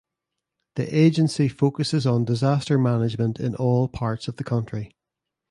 The agency focuses on disaster management in all parts of the country.